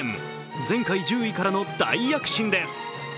前回１０位からの大躍進です。